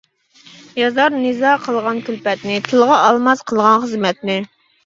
يازار نىزا قىلغان كۈلپەتنى، تىلغا ئالماس قىلغان خىزمەتنى.